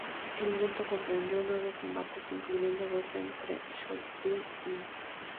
El evento comprendió nueve combates, incluyendo dos en el pre-show Buy In.